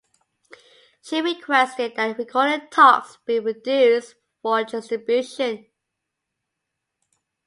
Sheen requested that the recorded talks be produced for distribution.